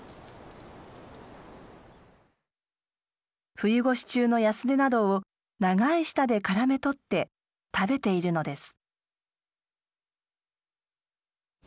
冬越し中のヤスデなどを長い舌でからめ捕って食べているのです。